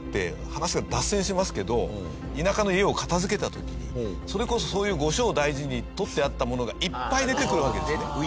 話が脱線しますけど田舎の家を片づけた時にそれこそそういう後生大事に取ってあったものがいっぱい出てくるわけですね。